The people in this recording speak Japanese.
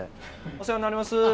お世話になります。